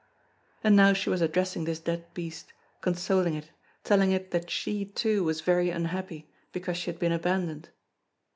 And now she was addressing this dead beast, consoling it, telling it that she, too, was very unhappy, because she had been abandoned.